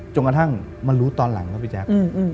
จนกระทั่งมารู้ตอนหลังครับพี่แจ๊ค